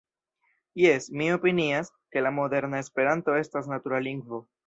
Jes, mi opinias, ke la moderna Esperanto estas natura lingvo.